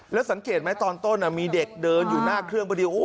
แล้วสังเกตไหมตอนต้นมีเด็กเดินอยู่หน้าเครื่องพอดี